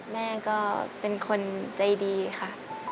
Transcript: แม่ก็เป็นคนใจดีค่ะ